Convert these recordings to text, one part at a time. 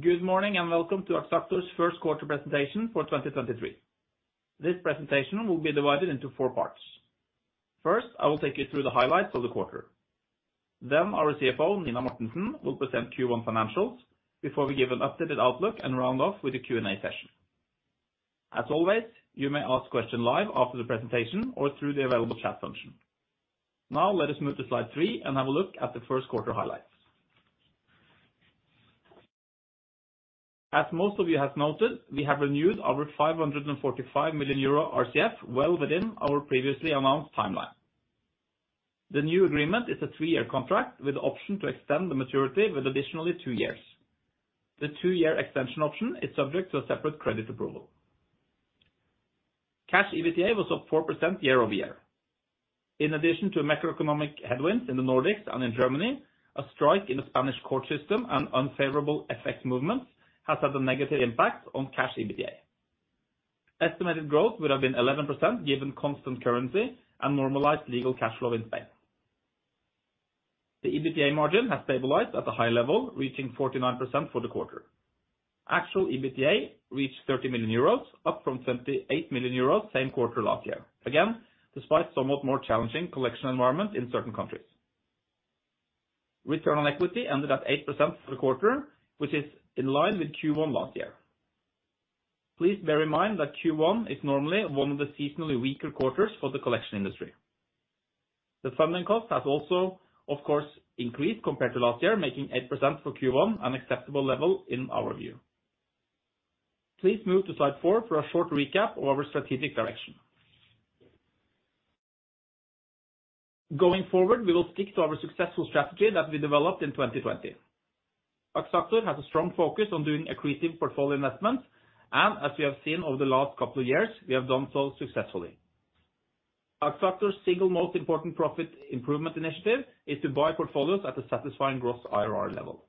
Good morning, welcome to Axactor's Q1 presentation for 2023. This presentation will be divided into four parts. First, I will take you through the highlights of the quarter. Our CFO, Nina Mortensen, will present Q1 financials before we give an updated outlook and round off with the Q&A session. As always, you may ask questions live after the presentation or through the available chat function. Now let us move to slide 3 and have a look at the Q1 highlights. As most of you have noted, we have renewed our 545 million euro RCF well within our previously announced timeline. The new agreement is a three-year contract with the option to extend the maturity with additionally two years. The two year extension option is subject to a separate credit approval. Cash EBITDA was up 4% year-over-year. In addition to macroeconomic headwinds in the Nordics and in Germany, a strike in the Spanish court system and unfavorable effect movements has had a negative impact on Cash EBITDA. Estimated growth would have been 11% given constant currency and normalized legal cash flow in Spain. The EBITDA margin has stabilized at a high level, reaching 49% for the quarter. Actual EBITDA reached 30 million euros, up from 28 million euros same quarter last year, again, despite somewhat more challenging collection environment in certain countries. Return on equity ended at 8% for the quarter, which is in line with Q1 last year. Please bear in mind that Q1 is normally one of the seasonally weaker quarters for the collection industry. The funding cost has also, of course, increased compared to last year, making 8% for Q1 an acceptable level in our view. Please move to slide four for a short recap of our strategic direction. Going forward, we will stick to our successful strategy that we developed in 2020. Axactor has a strong focus on doing accretive portfolio investments, and as we have seen over the last couple of years, we have done so successfully. Axactor's single most important profit improvement initiative is to buy portfolios at a satisfying gross IRR level.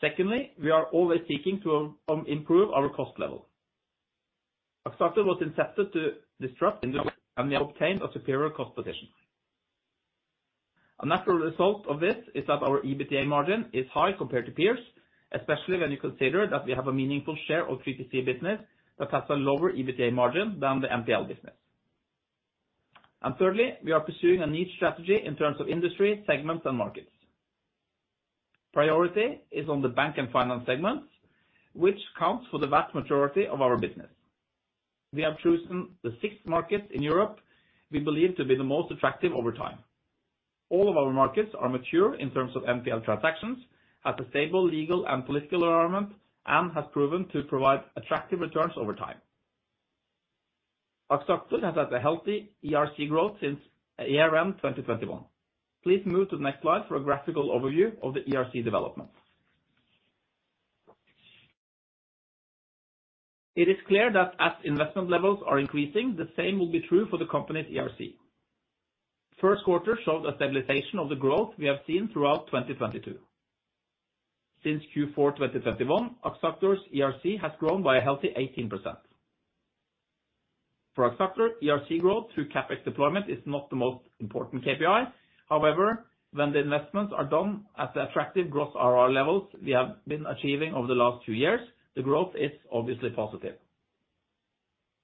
Secondly, we are always seeking to improve our cost level. Axactor was intended to disrupt and we obtained a superior cost position. A natural result of this is that our EBITDA margin is high compared to peers, especially when you consider that we have a meaningful share of 3PC business that has a lower EBITDA margin than the NPL business. Thirdly, we are pursuing a niche strategy in terms of industry, segments and markets. Priority is on the bank and finance segments, which counts for the vast majority of our business. We have chosen the six markets in Europe we believe to be the most attractive over time. All of our markets are mature in terms of NPL transactions, has a stable legal and political environment, and has proven to provide attractive returns over time. Axactor has had a healthy ERC growth since ARM 2021. Please move to the next slide for a graphical overview of the ERC development. It is clear that as investment levels are increasing, the same will be true for the company's ERC. Q1 showed a stabilization of the growth we have seen throughout 2022. Since Q4 2021, Axactor's ERC has grown by a healthy 18%. For Axactor, ERC growth through CapEx deployment is not the most important KPI. When the investments are done at the attractive gross IRR levels we have been achieving over the last two years, the growth is obviously positive.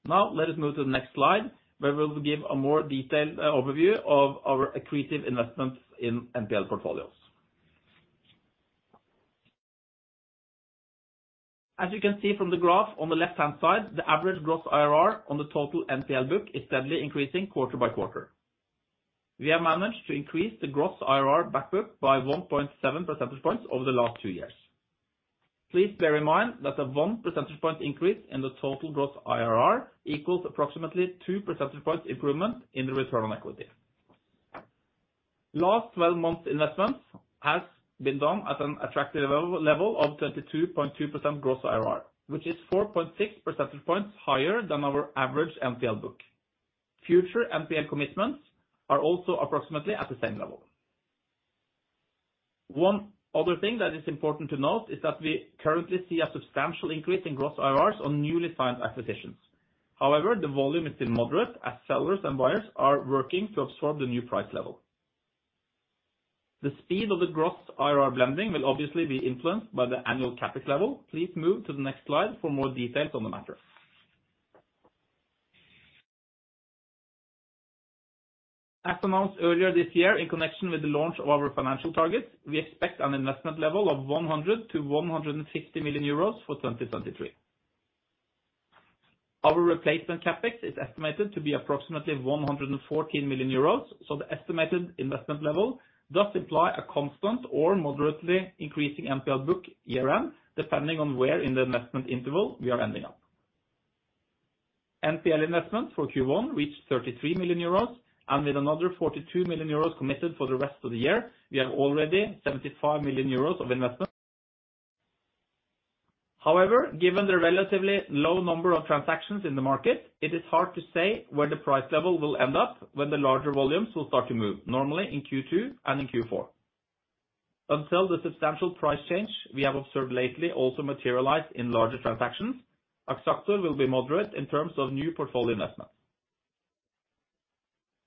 Let us move to the next slide, where we'll give a more detailed overview of our accretive investments in NPL portfolios. As you can see from the graph on the left-hand side, the average gross IRR on the total NPL book is steadily increasing quarter by quarter. We have managed to increase the gross IRR back book by 1.7 percentage points over the last two years. Please bear in mind that a one percentage point increase in the total gross IRR equals approximately two percentage points improvement in the return on equity. Last 12 months investments has been done at an attractive level of 32.2% gross IRR, which is 4.6 percentage points higher than our average NPL book. Future NPL commitments are also approximately at the same level. One other thing that is important to note is that we currently see a substantial increase in gross IRRs on newly signed acquisitions. The volume is still moderate as sellers and buyers are working to absorb the new price level. The speed of the gross IRR blending will obviously be influenced by the annual CapEx level. Please move to the next slide for more details on the matter. As announced earlier this year in connection with the launch of our financial targets, we expect an investment level of 100 million-150 million euros for 2023. Our replacement CapEx is estimated to be approximately 114 million euros. The estimated investment level does imply a constant or moderately increasing NPL book year end, depending on where in the investment interval we are ending up. NPL investments for Q1 reached 33 million euros, with another 42 million euros committed for the rest of the year, we have already 75 million euros of investment. However, given the relatively low number of transactions in the market, it is hard to say where the price level will end up when the larger volumes will start to move, normally in Q2 and in Q4. Until the substantial price change we have observed lately also materialized in larger transactions, Axactor will be moderate in terms of new portfolio investment.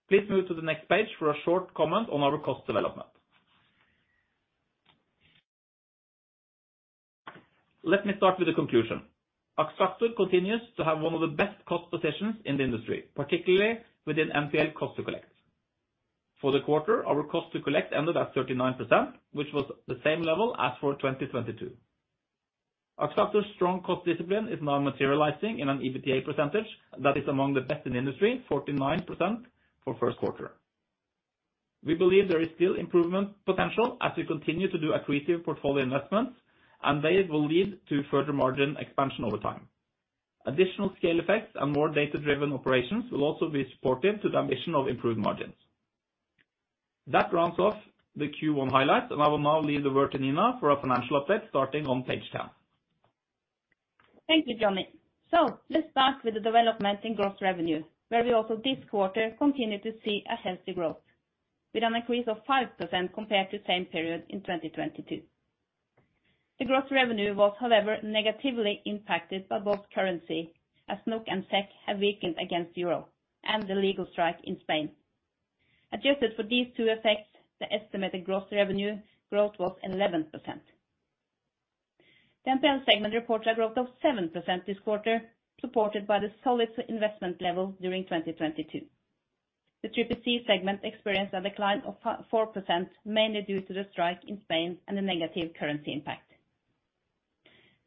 Please move to the next page for a short comment on our cost development. Let me start with the conclusion. Axactor continues to have one of the best cost positions in the industry, particularly within NPL cost to collect. For the quarter, our cost to collect ended at 39%, which was the same level as for 2022. Axactor's strong cost discipline is now materializing in an EBITDA percentage that is among the best in the industry, 49% for Q1. We believe there is still improvement potential as we continue to do accretive portfolio investments, and they will lead to further margin expansion over time. Additional scale effects and more data-driven operations will also be supportive to the ambition of improved margins. That rounds off the Q1 highlights, and I will now leave the word to Nina for our financial update starting on page 10. Thank you, Johnny. Let's start with the development in gross revenue, where we also this quarter continue to see a healthy growth with an increase of 5% compared to the same period in 2022. The gross revenue was, however, negatively impacted by both currency, as NOK and SEK have weakened against euro, and the legal strike in Spain. Adjusted for these two effects, the estimated gross revenue growth was 11%. The NPL segment reported a growth of 7% this quarter, supported by the solid investment level during 2022. The CCC segment experienced a decline of 4%, mainly due to the strike in Spain and a negative currency impact.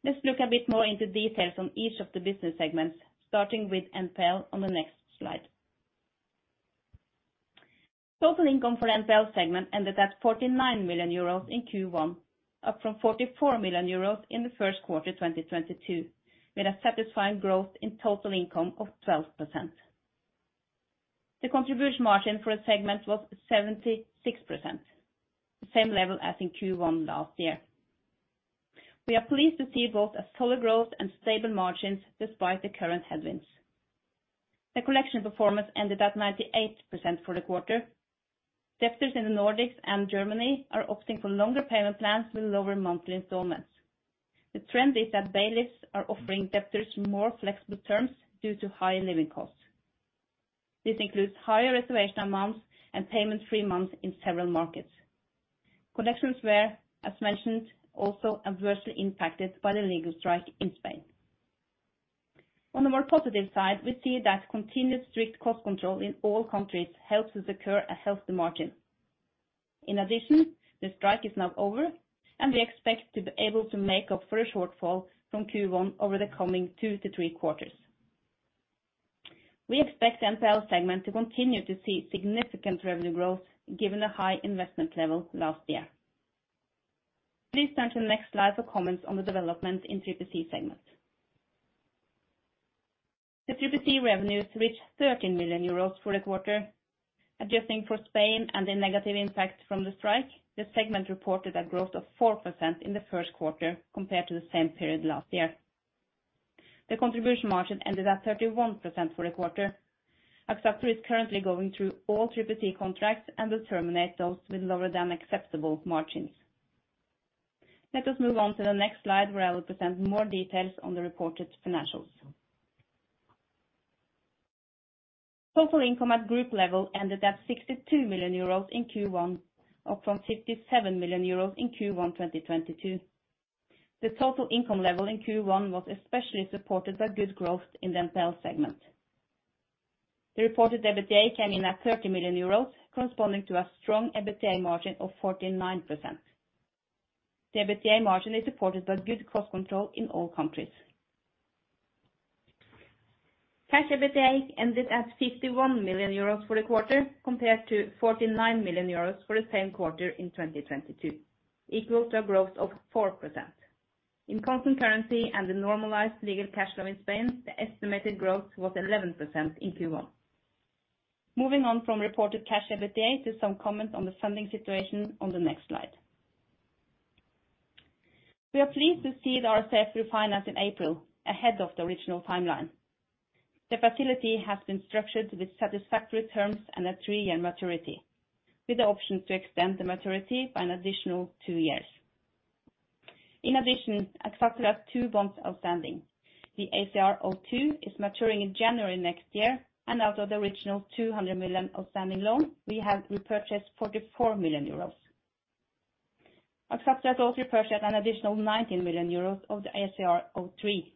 Let's look a bit more into details on each of the business segments, starting with NPL on the next slide. Total income for NPL segment ended at 49 million euros in Q1, up from 44 million euros in the first quarter, 2022, with a satisfying growth in total income of 12%. The contribution margin for a segment was 76%, the same level as in Q1 last year. We are pleased to see both a solid growth and stable margins despite the current headwinds. The collection performance ended at 98% for the quarter. Debtors in the Nordics and Germany are opting for longer payment plans with lower monthly installments. The trend is that bailiffs are offering debtors more flexible terms due to higher living costs. This includes higher reservation amounts and payment-free months in several markets. Collections were, as mentioned, also adversely impacted by the legal strike in Spain. On a more positive side, we see that continued strict cost control in all countries helps us occur a healthy margin. In addition, the strike is now over, and we expect to be able to make up for a shortfall from Q1 over the comingtwo to three quarters. We expect NPL segment to continue to see significant revenue growth given the high investment level last year. Please turn to the next slide for comments on the development in Triple C segment. The Triple C revenues reached 13 million euros for the quarter. Adjusting for Spain and the negative impact from the strike, this segment reported a growth of 4% in the Q1 compared to the same period last year. The contribution margin ended at 31% for the quarter. Axactor is currently going through all Triple C contracts and will terminate those with lower than acceptable margins. Let us move on to the next slide where I will present more details on the reported financials. Total income at group level ended at 62 million euros in Q1, up from 57 million euros in Q1 2022. The total income level in Q1 was especially supported by good growth in the NPL segment. The reported EBITDA came in at 30 million euros, corresponding to a strong EBITDA margin of 49%. The EBITDA margin is supported by good cost control in all countries. Cash EBITDA ended at 51 million euros for the quarter, compared to 49 million euros for the same quarter in 2022, equal to a growth of 4%. In constant currency and the normalized legal cash flow in Spain, the estimated growth was 11% in Q1. Moving on from reported Cash EBITDA to some comments on the funding situation on the next slide. We are pleased to see the RCF refinance in April, ahead of the original timeline. The facility has been structured with satisfactory terms and a three year maturity, with the option to extend the maturity by an additional two years. In addition, Axactor has two bonds outstanding. The ACR02 is maturing in January next year, and out of the original 200 million outstanding loan, we have repurchased 44 million euros. Axactor has also repurchased an additional 90 million euros of the ACR03.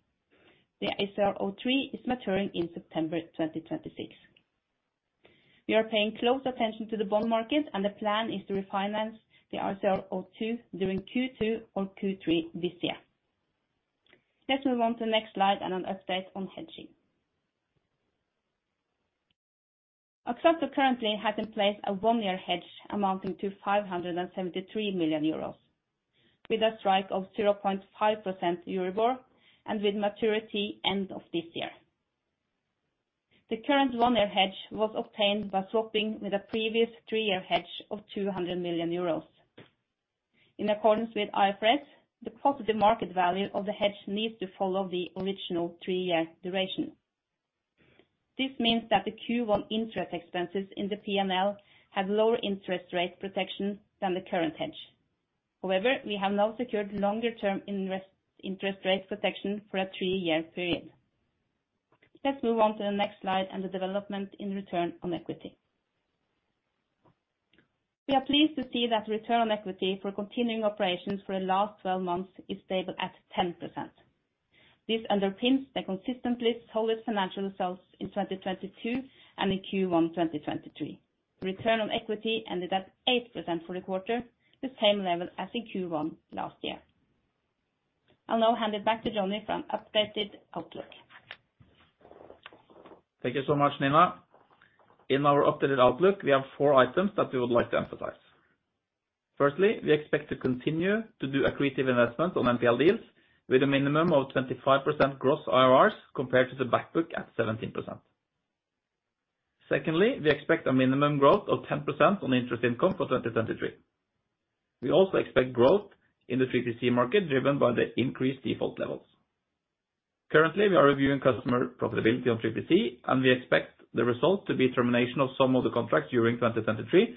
The ACR03 is maturing in September 2026. We are paying close attention to the bond market, and the plan is to refinance the ACR02 during Q2 or Q3 this year. Let's move on to the next slide and an update on hedging. Axactor currently has in place a one-year hedge amounting to 573 million euros with a strike of 0.5% Euribor and with maturity end of this year. The current one-year hedge was obtained by swapping with a previous three-year hedge of 200 million euros. In accordance with IFRS, the positive market value of the hedge needs to follow the original three-year duration. This means that the Q1 interest expenses in the P&L have lower interest rate protection than the current hedge. We have now secured longer term interest rate protection for a three-year period. Let's move on to the next slide and the development in return on equity. We are pleased to see that return on equity for continuing operations for the last 12 months is stable at 10%. This underpins the consistently solid financial results in 2022 and in Q1, 2023. Return on equity ended at 8% for the quarter, the same level as in Q1 last year. I'll now hand it back to Johnny for an updated outlook. Thank you so much, Nina. In our updated outlook, we have four items that we would like to emphasize. Firstly, we expect to continue to do accretive investment on NPL deals with a minimum of 25% gross IRRs compared to the back book at 17%. Secondly, we expect a minimum growth of 10% on interest income for 2023. We also expect growth in the 3PC market, driven by the increased default levels. Currently, we are reviewing customer profitability on 3PC, and we expect the results to be termination of some of the contracts during 2023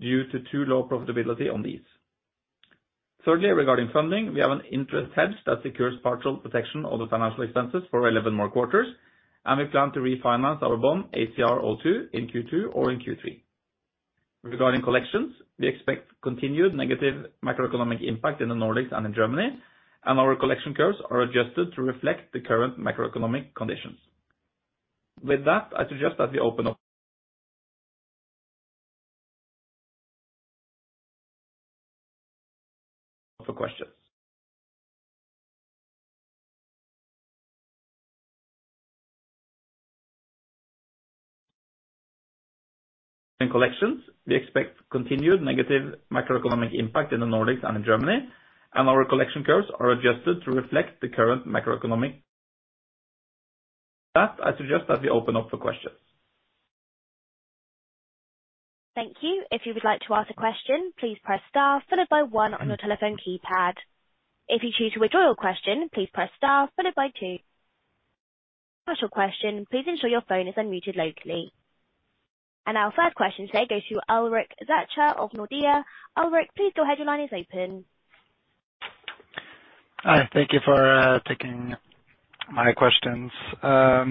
due to too low profitability on these. Thirdly, regarding funding, we have an interest hedge that secures partial protection of the financial expenses for 11 more quarters, and we plan to refinance our bond ACR02 in Q2 or in Q3. Regarding collections, we expect continued negative macroeconomic impact in the Nordics and in Germany, and our collection curves are adjusted to reflect the current macroeconomic conditions. With that, I suggest that we open up for questions. In collections, we expect continued negative macroeconomic impact in the Nordics and in Germany, and our collection curves are adjusted to reflect the current macroeconomic. That I suggest that we open up for questions. Thank you. If you would like to ask a question, please press star followed by one on your telephone keypad. If you choose to withdraw your question, please press star followed by two. Ask your question, please ensure your phone is unmuted locally. Our first question today goes to Ulrik Zürcher of Nordea. Ulrik, please go ahead. Your line is open. Hi. Thank you for taking my questions. I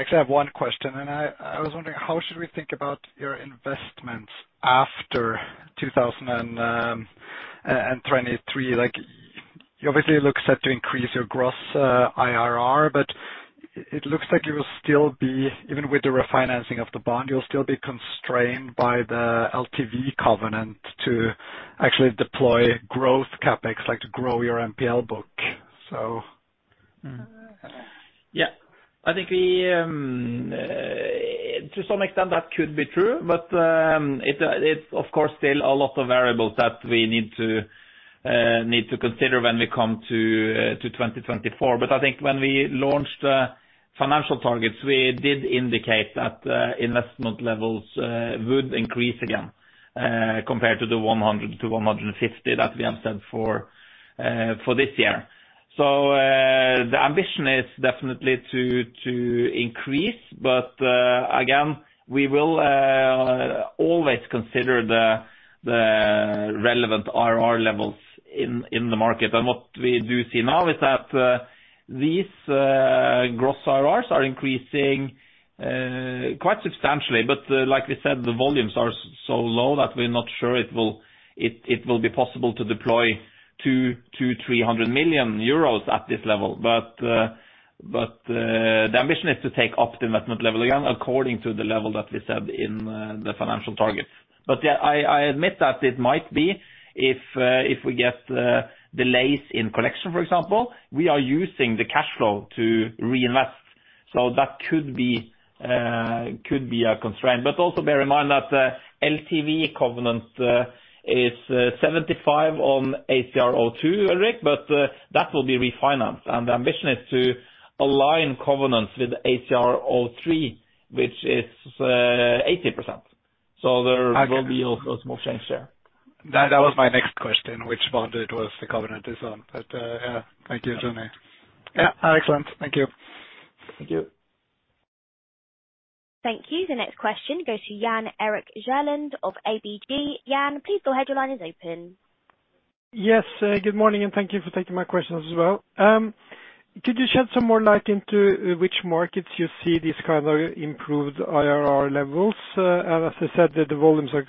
actually have one question, I was wondering how should we think about your investments after 2023? Like, you obviously look set to increase your gross IRR, but it looks like you will still be, even with the refinancing of the bond, you'll still be constrained by the LTV covenant to actually deploy growth CapEx, like, to grow your NPL book. I think we to some extent that could be true. It's of course still a lot of variables that we need to need to consider when we come to 2024. I think when we launched the financial targets, we did indicate that investment levels would increase again compared to the 100 to 150 that we have set for this year. The ambition is definitely to increase. Again, we will always consider the relevant IRR levels in the market. What we do see now is that these gross IRRs are increasing quite substantially. Like we said, the volumes are so low that we are not sure it will be possible to deploy 200 million-300 million euros at this level. The ambition is to take up the investment level again according to the level that we set in the financial targets. I admit that it might be if we get delays in collection, for example, we are using the cash flow to reinvest. That could be a constraint. Also bear in mind that LTV covenant is 75% on ACR02, Ulrik, that will be refinanced. The ambition is to align covenants with ACR03, which is 80%. There will be a small change there. That was my next question, which bond it was the covenant is on. Yeah. Thank you, Johnny. Yeah. Excellent. Thank you. Thank you. Thank you. The next question goes to Jan Erik Gjerland of ABG. Jan, please go ahead. Your line is open. Yes. good morning, and thank you for taking my questions as well. Could you shed some more light into which markets you see these kind of improved IRR levels? As I said, the volumes are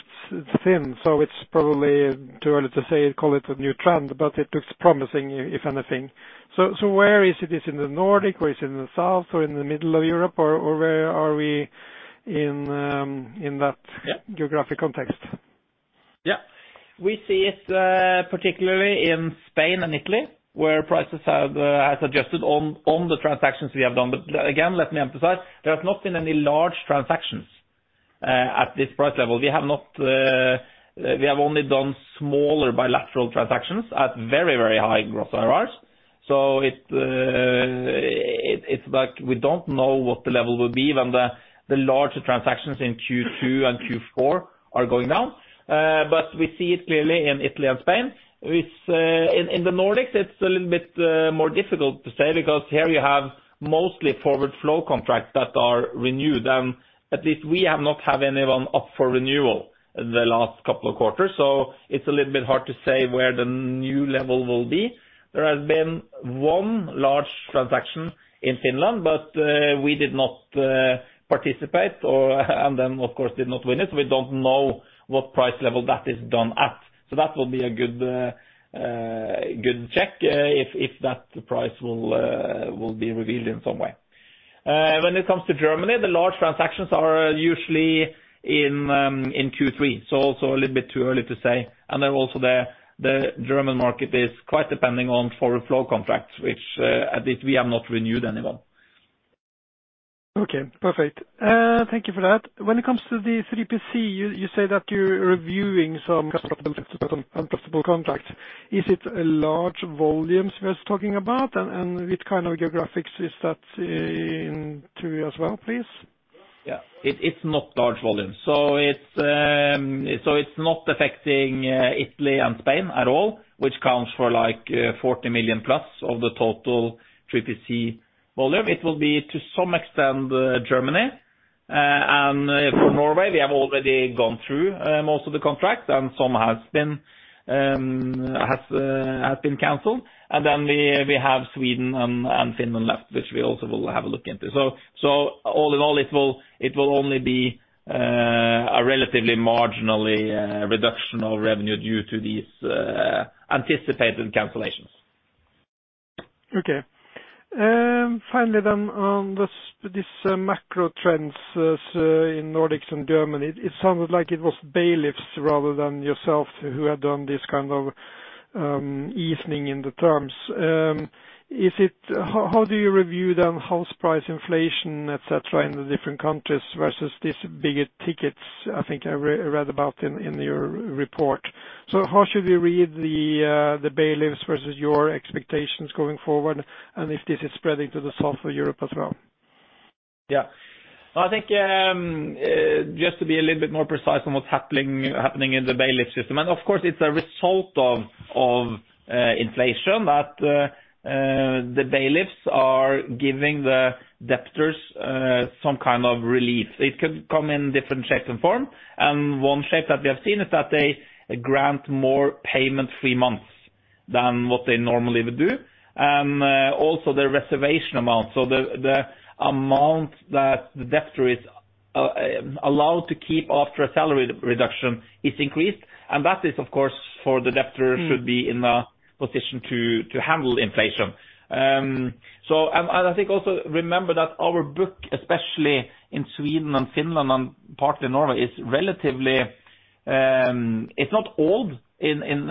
thin, so it's probably too early to say call it a new trend, but it looks promising, if anything. Where is it? Is in the Nordic or is it in the South or in the middle of Europe or where are we in in that- Yeah. geographic context? Yeah. We see it particularly in Spain and Italy, where prices have adjusted on the transactions we have done. Again, let me emphasize, there has not been any large transactions at this price level. We have not, we have only done smaller bilateral transactions at very, very high gross IRRs. It's like we don't know what the level will be when the larger transactions in Q2 and Q4 are going down. We see it clearly in Italy and Spain. With in the Nordics, it's a little bit more difficult to say because here you have mostly forward flow contracts that are renewed. At least we have not had anyone up for renewal the last couple of quarters. It's a little bit hard to say where the new level will be. There has been one large transaction in Finland, but we did not participate or and then of course did not win it, so we don't know what price level that is done at. That will be a good check, if that price will be revealed in some way. When it comes to Germany, the large transactions are usually in Q3, so a little bit too early to say. Also the German market is quite depending on forward flow contracts, which at least we have not renewed any of them. Okay. Perfect. Thank you for that. When it comes to the 3PC, you say that you're reviewing some unprofitable contracts. Is it a large volumes we are talking about and which kind of geographies is that in, too, as well, please? Yeah. It's not large volumes. It's not affecting Italy and Spain at all, which counts for, like, 40 million plus of the total 3PC volume. It will be to some extent Germany. For Norway, we have already gone through most of the contracts and some has been canceled. We have Sweden and Finland left, which we also will have a look into. All in all, it will only be a relatively marginally reduction of revenue due to these anticipated cancellations. Okay. finally then on this macro trends, so in Nordics and Germany, it sounded like it was bailiffs rather than yourself who had done this kind of, easing in the terms. How do you review then house price inflation, et cetera, in the different countries versus this bigger tickets? I think I re-read about in your report. How should we read the bailiffs versus your expectations going forward, and if this is spreading to the south of Europe as well? Yeah. I think, just to be a little bit more precise on what's happening in the bailiff system. Of course it's a result of inflation that the bailiffs are giving the debtors some kind of relief. It could come in different shape and form. One shape that we have seen is that they grant more payment-free months than what they normally would do. Also the reservation amount, so the amount that the debtor is allowed to keep after a salary reduction is increased, and that is of course for the debtor. Mm. should be in a position to handle inflation. I think also remember that our book, especially in Sweden and Finland and partly Norway, is relatively. It's not old in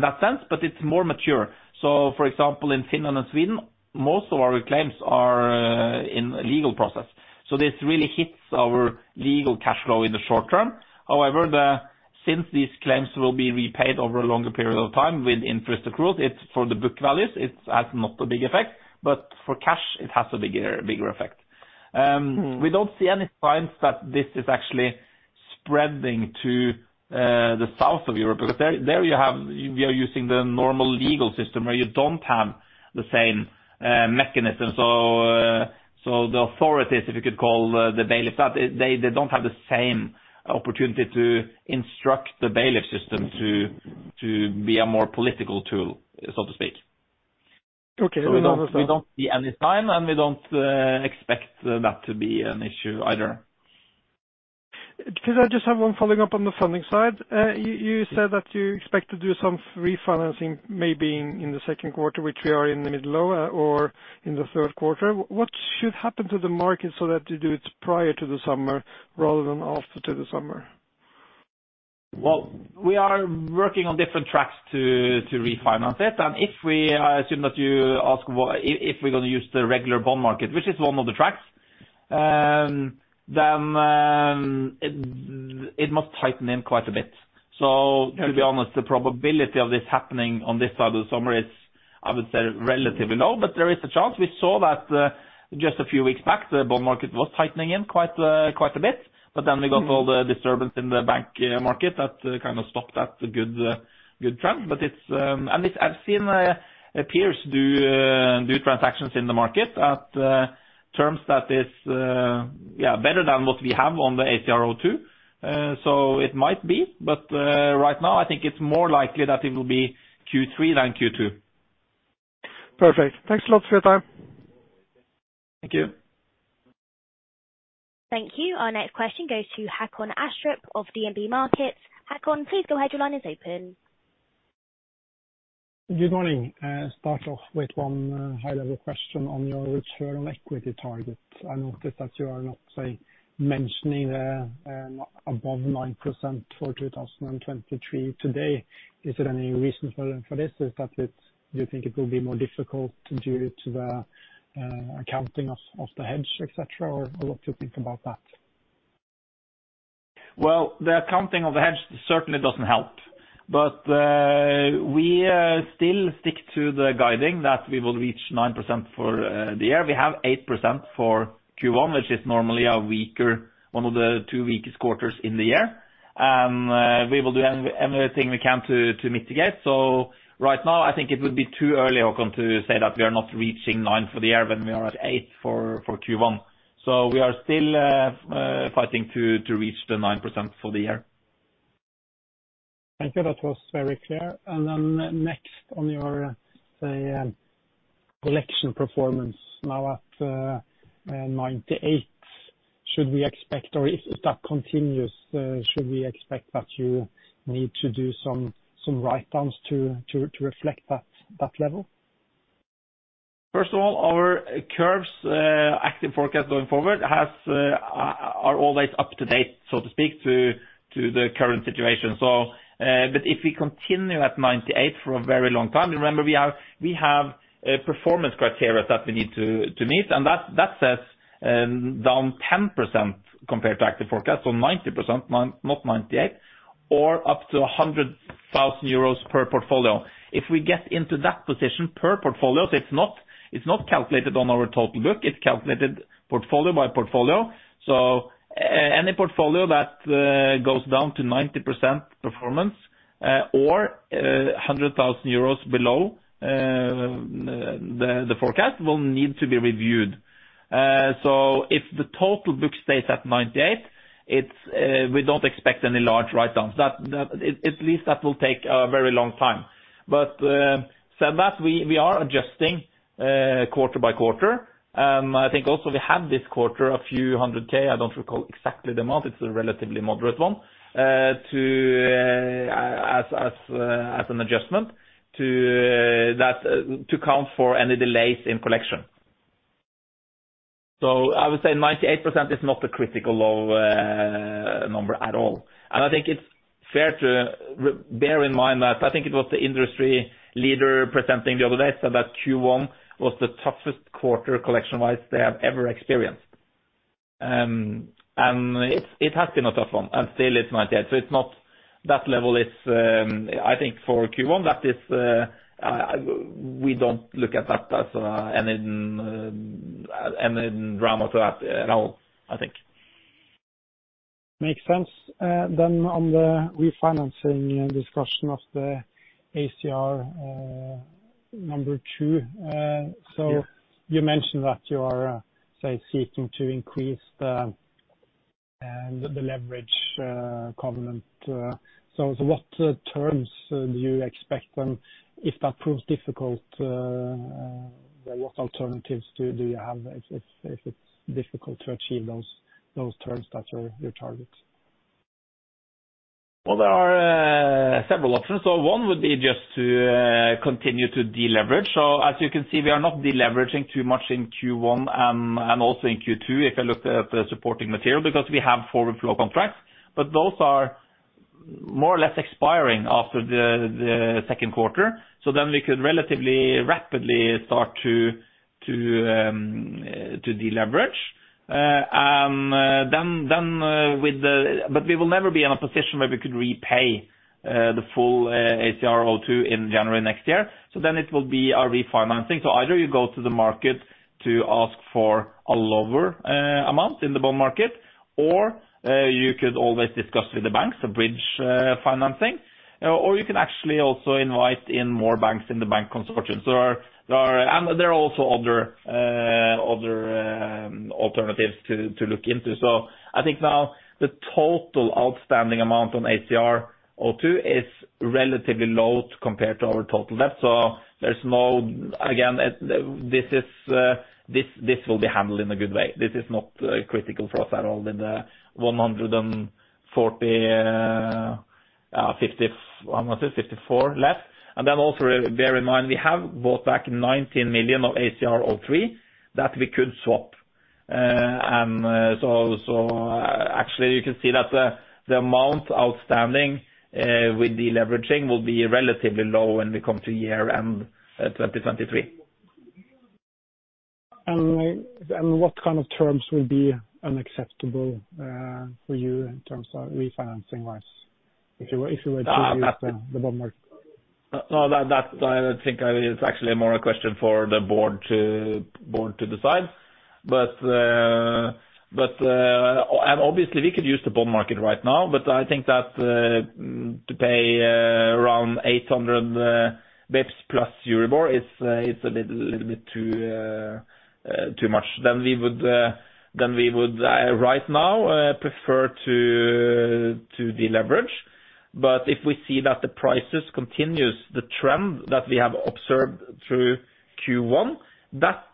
that sense, but it's more mature. For example, in Finland and Sweden, most of our claims are in legal process. This really hits our legal cash flow in the short term. However, since these claims will be repaid over a longer period of time with interest accruals, it's for the book values, it has not a big effect, but for cash, it has a bigger effect. Mm. We don't see any signs that this is actually spreading to the south of Europe, because there you have, we are using the normal legal system where you don't have the same mechanism. The authorities, if you could call the bailiffs that, they don't have the same opportunity to instruct the bailiff system to be a more political tool, so to speak. Okay. We don't see any sign, and we don't expect that to be an issue either. Could I just have one following up on the funding side? You said that you expect to do some refinancing maybe in the Q2, which we are in the middle of, or in the Q3. What should happen to the market so that you do it prior to the summer rather than after to the summer? Well, we are working on different tracks to refinance it. If we assume that you ask what... If we're gonna use the regular bond market, which is one of the tracks, then it must tighten in quite a bit. To be honest, the probability of this happening on this side of the summer is, I would say, relatively low, but there is a chance. We saw that just a few weeks back, the bond market was tightening in quite a bit, but then we got all the disturbance in the bank market that kind of stopped that good trend. It's... I've seen peers do transactions in the market at terms that is, yeah, better than what we have on the ACR02. It might be, but right now I think it's more likely that it will be Q3 than Q2. Perfect. Thanks a lot for your time. Thank you. Thank you. Our next question goes to Håkon Astrup of DNB Markets. Håkon, please go ahead, your line is open. Good morning. Start off with 1 high-level question on your return on equity target. I noticed that you are not, say, mentioning the above 9% for 2023 today. Is there any reason for this? Do you think it will be more difficult due to the accounting of the hedge, et cetera, or what do you think about that? Well, the accounting of the hedge certainly doesn't help. We still stick to the guiding that we will reach 9% for the year. We have 8% for Q1, which is normally one of the two weakest quarters in the year. We will do anything we can to mitigate. Right now I think it would be too early, Håkon, to say that we are not reaching 9 for the year when we are at eight for Q1. We are still fighting to reach the 9% for the year. Thank you. That was very clear. Then next on your, say, collection performance now at 98%, should we expect or if that continues, should we expect that you need to do some write-downs to reflect that level? Our curves, active forecast going forward are always up to date, so to speak, to the current situation. If we continue at 98 for a very long time, remember we have performance criteria that we need to meet, and that says down 10% compared to active forecast. 90% or up to 100,000 euros per portfolio. If we get into that position per portfolio, it's not calculated on our total book, it's calculated portfolio by portfolio. Any portfolio that goes down to 90% performance or 100,000 euros below the forecast will need to be reviewed. If the total book stays at 98, we don't expect any large write-downs. At least that will take a very long time. Said that we are adjusting quarter by quarter. I think also we had this quarter EUR a few hundred K. I don't recall exactly the amount. It's a relatively moderate one. As an adjustment to count for any delays in collection. I would say 98% is not a critical number at all. I think it's fair to re-bear in mind that I think it was the industry leader presenting the other day, said that Q1 was the toughest quarter collection-wise they have ever experienced. It's, it has been a tough one, and still it's 98. It's not...That level is, I think for Q1, that is, we don't look at that as any drama to that at all, I think. Makes sense. On the refinancing discussion of the ACR number two. Yeah. You mentioned that you are, say, seeking to increase the leverage covenant. What terms do you expect and if that proves difficult, what alternatives do you have if it's difficult to achieve those terms that are your targets? Well, there are several options. One would be just to continue to deleverage. As you can see, we are not deleveraging too much in Q1 and also in Q2, if you look at the supporting material because we have forward flow contracts. Those are more or less expiring after the second quarter. Then we could relatively rapidly start to deleverage. But we will never be in a position where we could repay the full ACR02 in January next year. Then it will be a refinancing. Either you go to the market to ask for a lower amount in the bond market, or you could always discuss with the banks a bridge financing, or you can actually also invite in more banks in the bank consortium. There are also other alternatives to look into. I think now the total outstanding amount on ACR02 is relatively low compared to our total debt. Again, this will be handled in a good way. This is not critical for us at all in the 54 left. Then also bear in mind we have bought back 19 million of ACR03 that we could swap. Actually you can see that the amount outstanding, with deleveraging will be relatively low when we come to year-end, 2023. What kind of terms will be unacceptable for you in terms of refinancing-wise if you were to use the bond market? No, that I think it's actually more a question for the board to decide. Obviously we could use the bond market right now, but I think that to pay around 800 basis points plus Euribor is a little bit too much. We would right now prefer to deleverage. If we see that the prices continues the trend that we have observed through Q1, that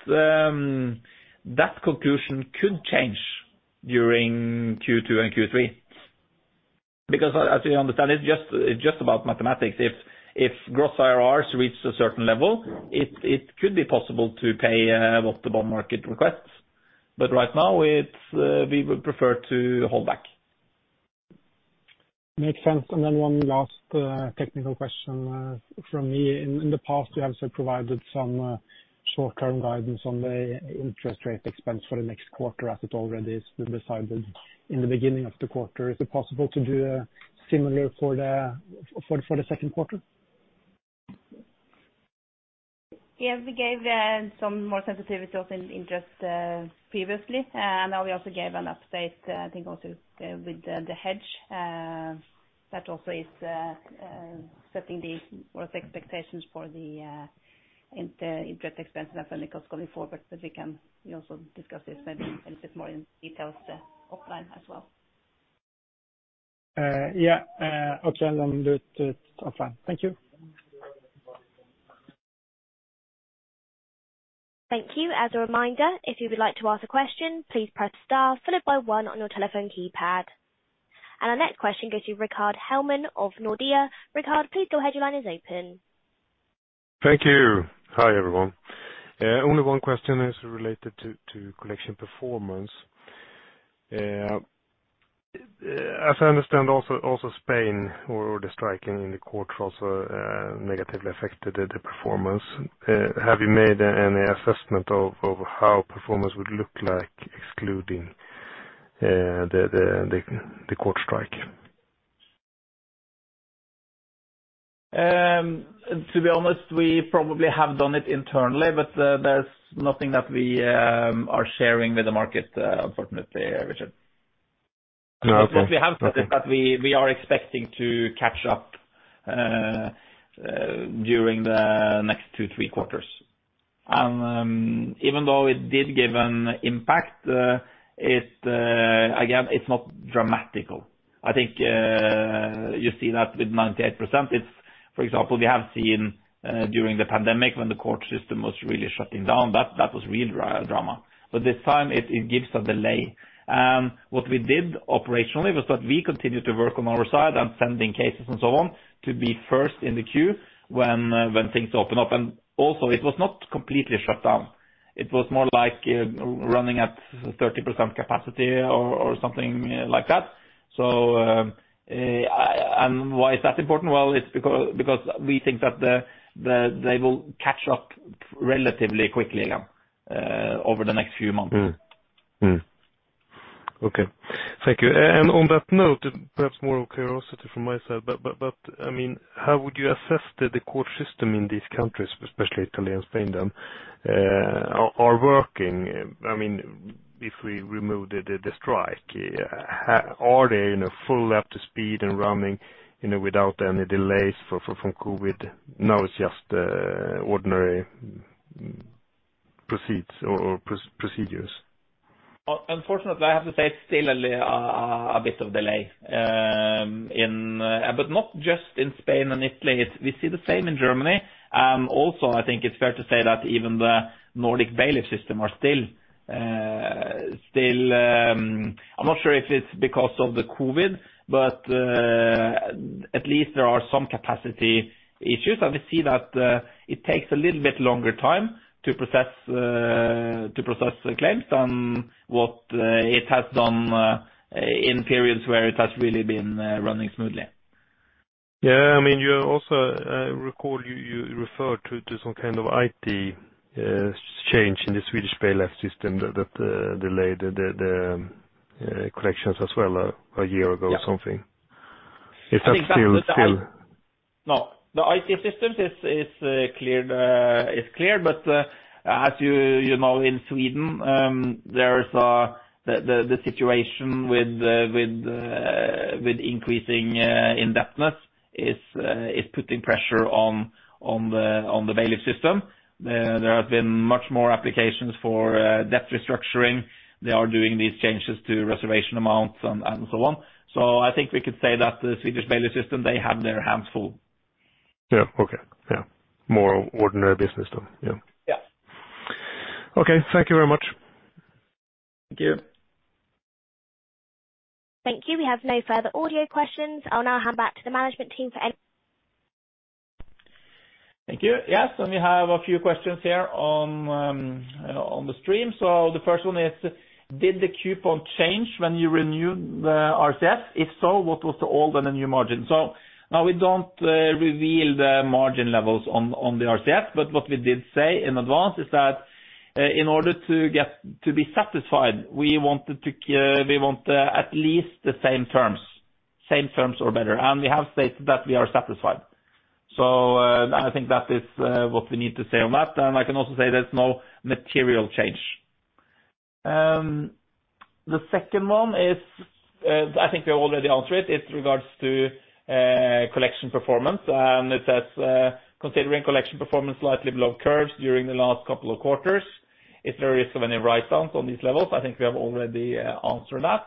conclusion could change during Q2 and Q3. As you understand, it's just about mathematics. If gross IRRs reach a certain level, it could be possible to pay what the bond market requests. Right now, it's we would prefer to hold back. Makes sense. Then one last, technical question, from me. In, in the past, you have provided some short term guidance on the interest rate expense for the next quarter as it already is been decided in the beginning of the quarter. Is it possible to do a similar for the second quarter? Yeah. We gave some more sensitivity also in just previously. Now we also gave an update, I think also with the hedge, that also is setting the what's expectations for the inter-interest expense and financials going forward. We can also discuss this maybe a little bit more in details offline as well. Yeah. Okay. Do it offline. Thank you. Thank you. As a reminder, if you would like to ask a question, please press star followed by one on your telephone keypad. Our next question goes to Rickard Hellman of Nordea. Rickard, please your headline is open. Thank you. Hi, everyone. Only one question is related to collection performance. As I understand also Spain or the striking in the court also negatively affected the performance. Have you made any assessment of how performance would look like excluding the court strike? To be honest, we probably have done it internally, but there's nothing that we are sharing with the market, unfortunately, Rickard. No. Okay. We have said that we are expecting to catch up during the next two, three quarters. Even though it did give an impact, it again, it's not dramatic. I think you see that with 98%. It's for example, we have seen during the pandemic when the court system was really shutting down that was real drama. This time it gives a delay. What we did operationally was that we continued to work on our side and sending cases and so on to be first in the queue when things open up. Also it was not completely shut down. It was more like running at 30% capacity or something like that. Why is that important? It's because we think that they will catch up relatively quickly again over the next few months. Okay. Thank you. On that note, perhaps more of curiosity from my side, I mean, how would you assess the court system in these countries, especially Italy and Spain then, are working? I mean, if we remove the strike, are they in a full up to speed and running, you know, without any delays for, from COVID, now it's just ordinary proceeds or procedures? Unfortunately, I have to say it's still a bit of delay in. Not just in Spain and Italy. We see the same in Germany. Also, I think it's fair to say that even the Nordic bailiff system are still. I'm not sure if it's because of the COVID, but at least there are some capacity issues. We see that it takes a little bit longer time to process to process claims than what it has done in periods where it has really been running smoothly. Yeah. I mean, you also recall you referred to some kind of IT change in the Swedish bailiff system that delayed the collections as well a year ago or something. Yeah. Is that still? No. The IT systems is clear. As you know, in Sweden, there is the situation with increasing indebtedness is putting pressure on the bailiff system. There have been much more applications for debt restructuring. They are doing these changes to reservation amounts and so on. I think we could say that the Swedish bailiff system, they have their handful. Yeah. Okay. Yeah. More ordinary business then. Yeah. Yeah. Okay. Thank you very much. Thank you. Thank you. We have no further audio questions. I'll now hand back to the management team for any. Thank you. Yes, we have a few questions here on the stream. The first one is, did the coupon change when you renewed the RCF? If so, what was the old and the new margin? Now we don't reveal the margin levels on the RCF, but what we did say in advance is that in order to get to be satisfied, we want at least the same terms or better. We have said that we are satisfied. I think that is what we need to say on that. I can also say there's no material change. The second one is, I think we already answered it. It's regards to collection performance, it says considering collection performance slightly below curves during the last couple of quarters, if there is any write down on these levels. I think we have already answered that.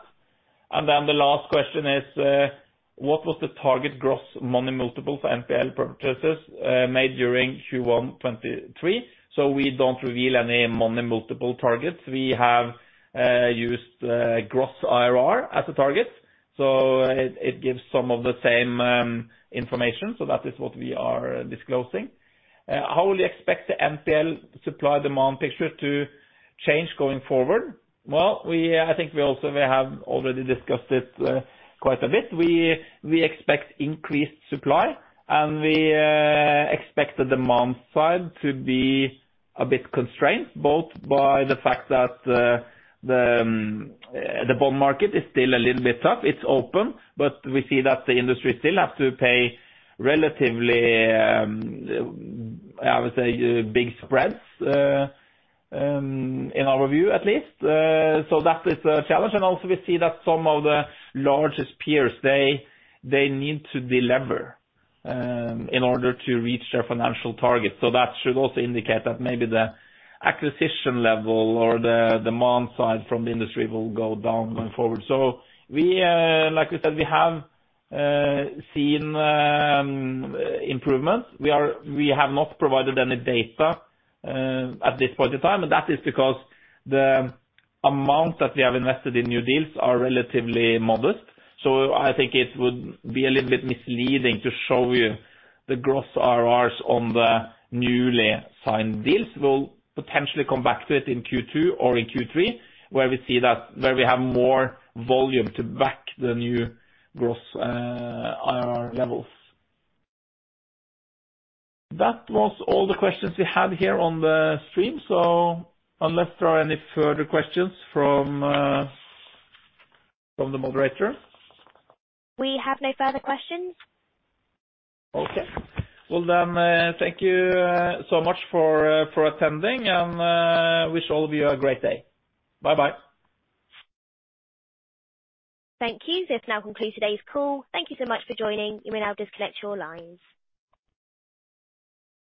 The last question is what was the target gross money multiple for NPL purchases made during Q1 2023? We don't reveal any money multiple targets. We have used gross IRR as a target, it gives some of the same information. That is what we are disclosing. How will you expect the NPL supply demand picture Change going forward? Well, I think we also may have already discussed it quite a bit. We expect increased supply, and we expect the demand side to be a bit constrained, both by the fact that the bond market is still a little bit tough. It's open, but we see that the industry still have to pay relatively, I would say, big spreads in our view at least. That is a challenge. Also we see that some of the largest peers, they need to delever in order to reach their financial targets. That should also indicate that maybe the acquisition level or the demand side from the industry will go down going forward. We, like I said, we have seen improvements. We have not provided any data at this point in time, and that is because the amount that we have invested in new deals are relatively modest. I think it would be a little bit misleading to show you the gross IRRs on the newly signed deals. We'll potentially come back to it in Q2 or in Q3, where we have more volume to back the new gross IRR levels. That was all the questions we had here on the stream. Unless there are any further questions from the moderator. We have no further questions. Okay. Thank you so much for attending and wish all of you a great day. Bye-bye. Thank you. This now concludes today's call. Thank you so much for joining. You may now disconnect your lines.